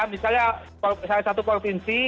misalnya satu provinsi